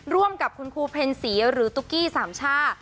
ร่วมกับคุณครูเพ็ญศรีหรือตุ๊กกี้สามช่า